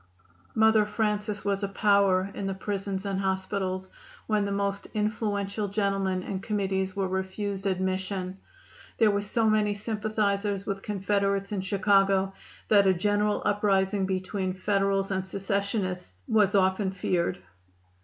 Mother Francis was a power in the prisons and hospitals when the most influential gentlemen and committees were refused admission. There were so many sympathizers with Confederates in Chicago that a general uprising between Federals and Secessionists was often feared.